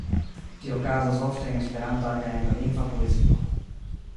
Tio okazas ofte en Esperanta kaj anglalingva poezio.